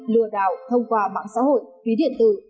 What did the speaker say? lừa đảo thông qua mạng xã hội ví điện tử